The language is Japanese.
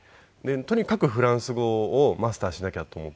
とにかくフランス語をマスターしなきゃと思って。